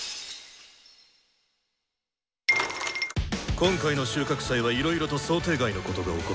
今回の収穫祭はいろいろと想定外のことが起こったな。